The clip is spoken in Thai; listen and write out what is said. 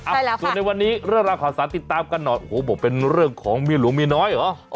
ไปแล้วค่ะส่วนในวันนี้เรื่องราวของสาวติดตามกันน่ะโหบอกเป็นเรื่องของมีหรือมีน้อยเหรอ